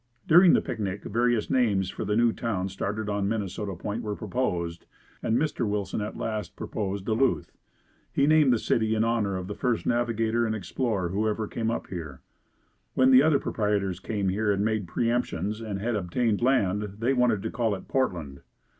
During the picnic various names for the new town started on Minnesota Point were proposed and Mr. Wilson at last proposed "Duluth." He named the city in honor of the first navigator and explorer who ever came up here. When the other proprietors came here and made preemptions and had obtained land they wanted to call it "Portland."